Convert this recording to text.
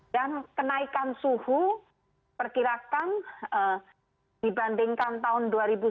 dan kenaikan suhu perkirakan dibandingkan tahun dua ribu sembilan belas